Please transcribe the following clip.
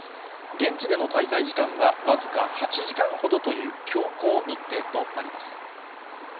現地での滞在時間は僅か８時間ほどという強行日程となります。